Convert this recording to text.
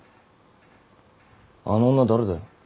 あの女誰だよ。